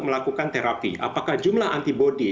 melakukan terapi apakah jumlah antibody